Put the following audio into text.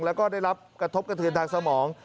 แล้วก็ได้รับกระทบกระเทือนทางสมอง